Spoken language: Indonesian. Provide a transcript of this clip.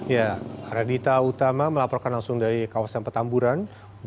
ya arya dita utama melaporkan langsung dari kawasan petamburan